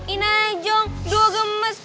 ini aja dua gemes